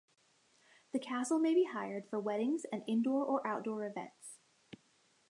The castle may be hired for weddings and indoor or outdoor events.